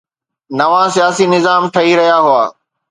نوان سياسي نظام ٺهي رهيا هئا.